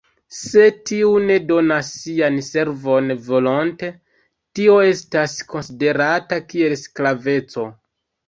Se tiu ne donas sian servon volonte, tio estas konsiderata kiel sklaveco.